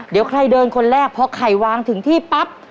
เดี๋ยวใครเดินคนแรกพอไข่วางถึงที่ปั๊บ